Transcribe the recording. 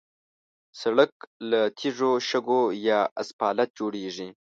سړک له تیږو، شګو یا اسفالت جوړېږي.